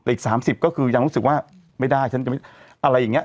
อีก๓๐ก็คือยังรู้สึกว่าไม่ได้